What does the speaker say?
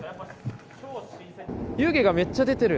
湯気がめっちゃ出てる。